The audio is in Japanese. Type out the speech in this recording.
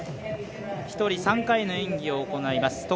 １人３回の演技を行います。